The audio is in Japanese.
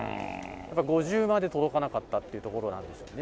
やっぱり、５０まで届かなかったというところなんですね。